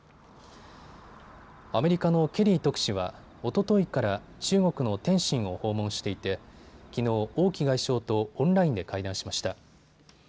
アメリカのケリー特使はおとといから中国の天津を訪問していてきのう王毅外相とオンラインで会談しました。